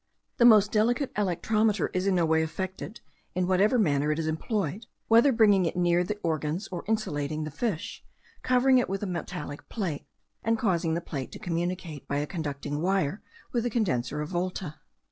The most delicate electrometer is no way affected in whatever manner it is employed, whether bringing it near the organs or insulating the fish, covering it with a metallic plate, and causing the plate to communicate by a conducting wire with the condenser of Volta.